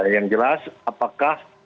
yang jelas apakah